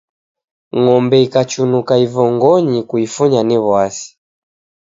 Ng'ombe ikachunuka ivongonyi, kuifunya ni w'asi.